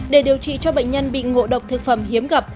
để điều trị cho bệnh nhân bị ngộ độc thực phẩm hiếm gặp